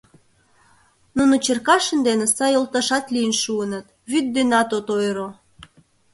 Нуно Черкашин дене сай йолташат лийын шуыныт, вӱд денат от ойыро.